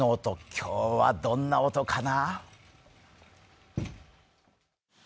今日はどんな音かな？